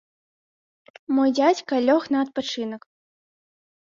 Мой дзядзька лёг на адпачынак.